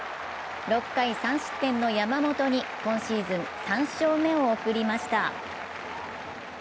６回３失点の山本に今シーズン３勝目を贈りました。